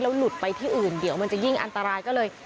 หลุดไปที่อื่นเดี๋ยวมันจะยิ่งอันตรายก็เลย